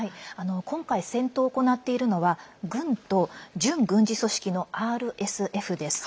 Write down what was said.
今回戦闘を行っているのは軍と準軍事組織のＲＳＦです。